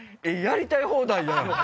やりたい放題やん！